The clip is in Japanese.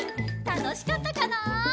たのしかったかな？